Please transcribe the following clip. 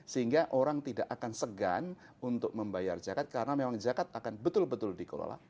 sehingga orang tidak akan segan untuk membayar zakat karena memang zakat akan betul betul dikelola